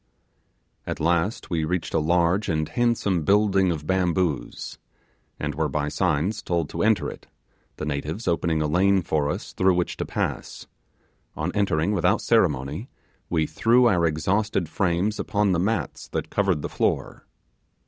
At last we reached a large and handsome building of bamboos, and were by signs told to enter it, the natives opening a lane for us through which to pass; on entering without ceremony, we threw our exhausted frames upon the mats that covered the floor.